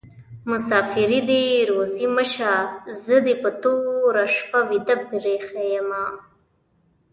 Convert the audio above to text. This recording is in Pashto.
مسافري دي روزي مشه: زه دي په توره شپه ويده پریښي يمه